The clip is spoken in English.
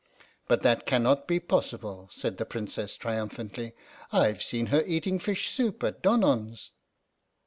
"But that cannot be possible," said the Princess triumphantly; " IVe seen her eating fish soup at Donon's."